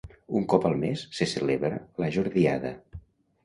Un cop al mes se celebra la Jordiada.